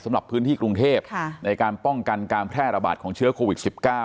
สำหรับพื้นที่กรุงเทพในการป้องกันการแพร่ระบาดของเชื้อโควิด๑๙